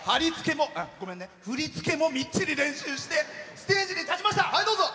振り付けもみっちり練習してステージに立ちました。